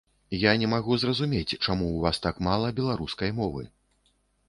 Я не магу зразумець, чаму ў вас так мала беларускай мовы.